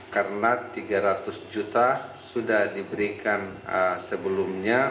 karena rp tiga ratus juta sudah diberikan sebelumnya